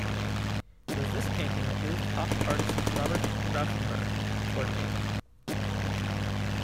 It was this painting that moved pop artist Robert Rauschenberg toward painting.